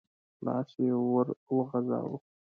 لاس يې ور وغځاوه.